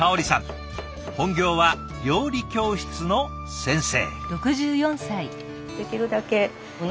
本業は料理教室の先生。